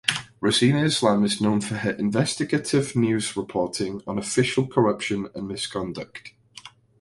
Rozina Islam is known for her investigative news reporting on official corruption and misconduct.